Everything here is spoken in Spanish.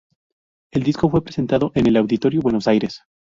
El disco fue presentado en el Auditorio Buenos Aires.